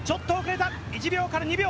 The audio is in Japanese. １秒から２秒。